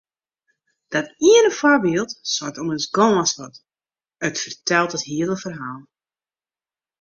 Dat iene foarbyld seit ommers gâns wat, it fertelt it hiele ferhaal.